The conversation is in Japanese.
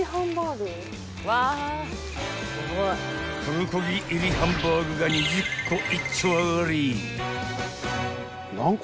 ［プルコギ入りハンバーグが２０個いっちょあがり！］